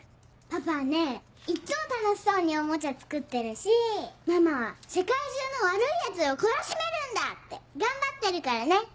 パパはねいっつも楽しそうにおもちゃ作ってるしママは世界中の悪いヤツを懲らしめるんだって頑張ってるからね。